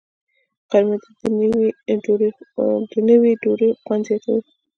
غرمه د نیوي ډوډۍ خوند زیاتوي